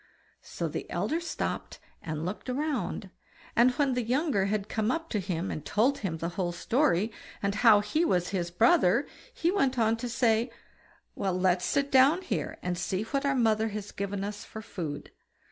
So the elder stopped and looked round; and when the younger had come up to him and told him the whole story, and how he was his brother, he went on to say: "But let's sit down here and see what our mother has given us for food."